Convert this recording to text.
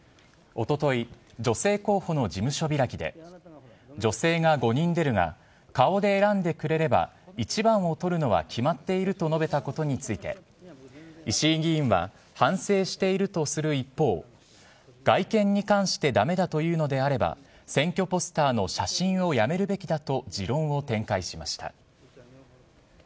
おととい、女性候補の事務所開きで、女性が５人出るが、顔で選んでくれれば１番を取るのは決まっていると述べたことについて、石井議員は、反省しているとする一方、外見に関してだめだというのであれば、選挙ポスターの写真をやめるべきだと持論を展開しました。